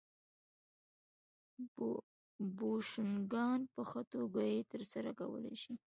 بوشونګان په ښه توګه یې ترسره کولای شي